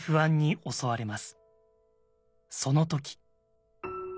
その時。